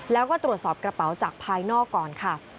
แล้วก็ตรวจสอบกระเป๋าจากภายนอกก่อนค่ะ